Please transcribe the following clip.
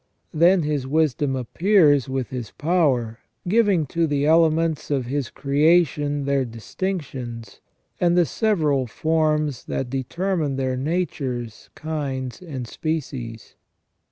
Then His wisdom appears with His power, giving to the elements of His creation their distinctions, and the several forms that determine their natures, kinds, and species.